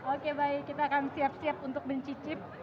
oke baik kita akan siap siap untuk mencicip